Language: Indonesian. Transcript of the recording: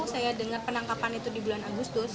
saya dengar penangkapan itu di bulan agustus